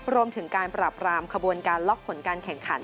รวมถึงการปรับรามขบวนการล็อกผลการแข่งขัน